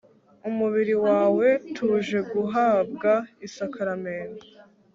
umubiri wawe, tuje guhabwa isakaramentu